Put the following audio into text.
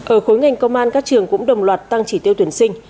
ở khối ngành công an các trường cũng đồng loạt tăng chỉ tiêu tuyển sinh